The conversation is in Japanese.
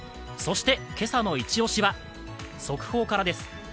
そして今朝のイチオシは速報からです。